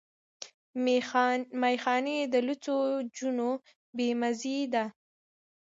ميخانې د لوڅو جونو بې مزې دي